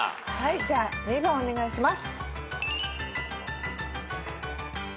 じゃあ２番お願いします。